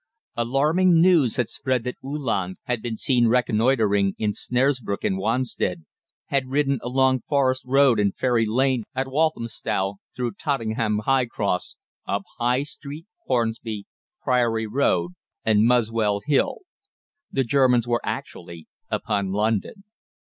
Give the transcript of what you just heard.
Alarming news had spread that Uhlans had been seen reconnoitring in Snaresbrook and Wanstead, had ridden along Forest Road and Ferry Lane at Walthamstow, through Tottenham High Cross, up High Street, Hornsey, Priory Road, and Muswell Hill. The Germans were actually upon London!